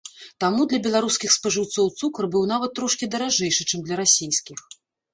Таму для беларускіх спажыўцоў цукар быў нават трошкі даражэйшы, чым для расейскіх.